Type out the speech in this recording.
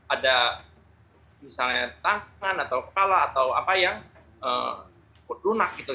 ada misalnya tangan atau kepala atau apa yang lunak gitu